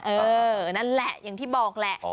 เออนั่นแหละอย่างที่บอกแหละ